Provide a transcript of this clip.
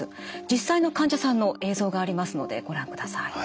実際の患者さんの映像がありますのでご覧ください。